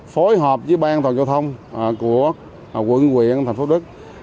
phối hợp với bang thoàn châu thông của quận nguyện thành phố thu đức